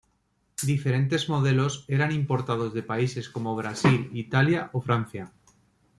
Diferentes modelos eran importados de países como Brasil, Italia o Francia.